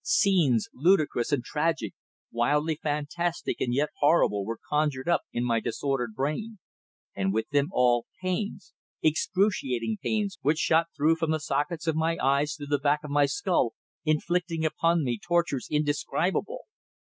Scenes, ludicrous and tragic, wildly fantastic and yet horrible, were conjured up in my disordered brain, and with them all, pains excruciating pains, which shot through from the sockets of my eyes to the back of my skull, inflicting upon me tortures indescribable.